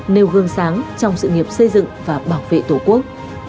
nêu gương sáng trong sự nghiệp xây dựng và bảo vệ tổ quốc